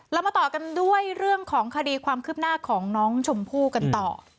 เรามาต่อกันด้วยเรื่องของคดีความคืบหน้าของน้องชมพู่กันต่อ